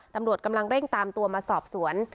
ตำรวจกำลังเร่งตามตัวมาสอบสวน